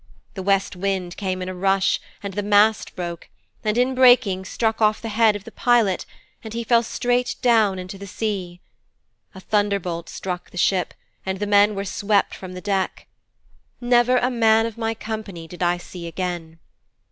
The West Wind came in a rush, and the mast broke, and, in breaking, struck off the head of the pilot, and he fell straight down into the sea. A thunderbolt struck the ship and the men were swept from the deck. Never a man of my company did I see again.'